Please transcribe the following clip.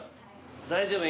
大丈夫？